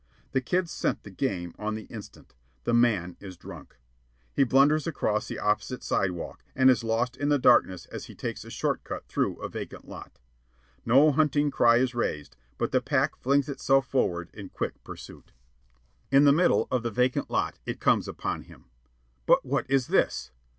The kids scent the game on the instant. The man is drunk. He blunders across the opposite sidewalk and is lost in the darkness as he takes a short cut through a vacant lot. No hunting cry is raised, but the pack flings itself forward in quick pursuit. In the middle of the vacant lot it comes upon him. But what is this?